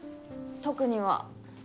特には。